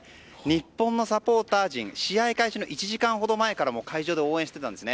日本のサポーター陣試合開始の１時間ほど前から会場で応援してたんです。